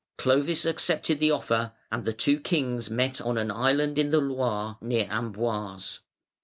Clovis accepted the offer, and the two kings met on an island in the Loire near Amboise.